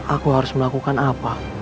aku harus melakukan apa